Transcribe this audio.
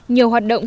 nhiều hoạt động